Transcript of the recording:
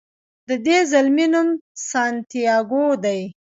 د دې زلمي نوم سانتیاګو دی.